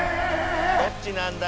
どっちなんだ